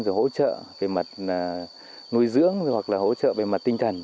rồi hỗ trợ về mặt nuôi dưỡng hoặc là hỗ trợ về mặt tinh thần